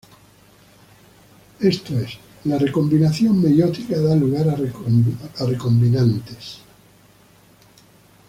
Esto es, la recombinación meiótica da lugar a recombinantes.